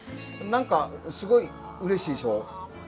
何かすごいうれしいでしょ？